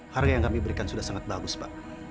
harga yang kami berikan sudah sangat bagus pak